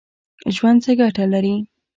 ژوند څه ګټه لري ؟